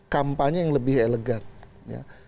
kampanye yang lebih elegan